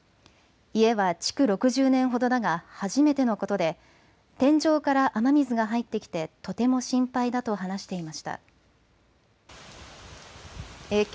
家は築６０年ほどだが、初めてのことで、天井から雨水が入ってきてとても心配だと話していました。